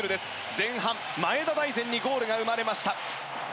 前半、前田大然にゴールが生まれました。